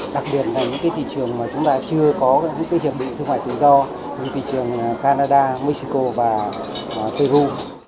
đặc biệt là những thị trường mà chúng ta chưa có các hiệp định thương mại tự do như thị trường canada mexico và peru